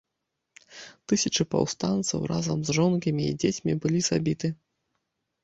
Тысячы паўстанцаў разам з жонкамі і дзецьмі былі забіты.